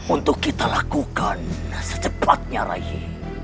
untuk kita lakukan secepatnya raihi